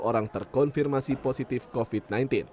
sembilan puluh satu orang terkonfirmasi positif covid sembilan belas